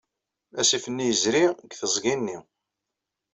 Asif-nni yezri deg teẓgi-nni.